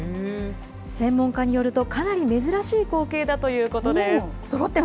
専門家によると、かなり珍しい光景だということです。